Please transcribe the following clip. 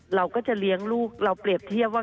เราก็จะเลี้ยงลูกเราเปรียบเทียบว่า